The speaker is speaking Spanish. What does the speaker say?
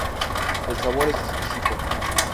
El sabor es exquisito.